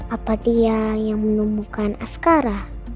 apa dia yang menumbuhkan askara